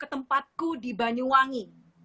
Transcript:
ke tempatku di banyuwangi